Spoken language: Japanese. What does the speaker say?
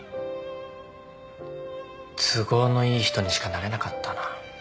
都合のいい人にしかなれなかったな。